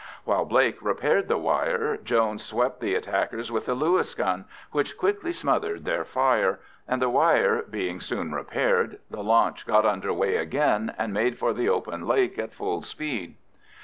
While Blake repaired the wire, Jones swept the attackers with a Lewis gun, which quickly smothered their fire, and the wire being soon repaired, the launch got under way again, and made for the open lake at full speed.